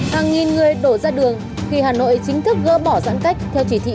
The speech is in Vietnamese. hàng nghìn người đổ ra đường khi hà nội chính thức gỡ bỏ giãn cách theo chỉ thị một mươi sáu